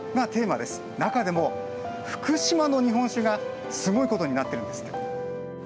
中でも福島の日本酒がすごいことになってるんですって。